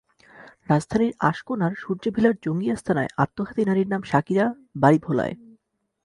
রাজধানীর আশকোনার সূর্য ভিলার জঙ্গি আস্তানায় আত্মঘাতী নারীর নাম শাকিরা, বাড়ি ভোলায়।